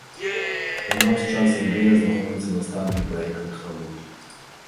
У наш час ідэя знаходзіцца на стадыі праектных работ.